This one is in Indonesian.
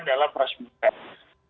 bintek adalah proses